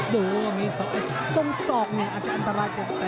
ติดตามยังน้อยกว่า